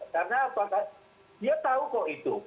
karena dia tahu kok itu